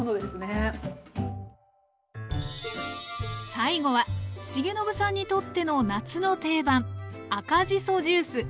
最後は重信さんにとっての夏の定番赤じそジュース。